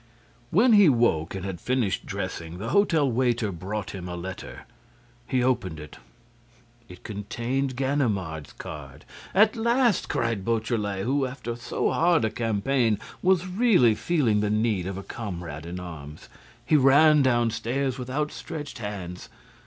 When he woke and had finished dressing, the hotel waiter brought him a letter. He opened it. It contained Ganimard's card. "At last!" cried Beautrelet, who, after so hard a campaign, was really feeling the need of a comrade in arms. He ran downstairs with outstretched hands.